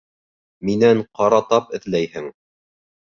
Минән ҡара тап эҙләйһең.